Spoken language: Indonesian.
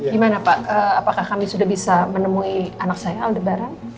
gimana pak apakah kami sudah bisa menemui anak saya aldebaran